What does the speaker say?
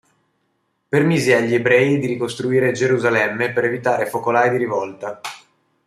Permise agli Ebrei di ricostruire Gerusalemme, per evitare focolai di rivolta.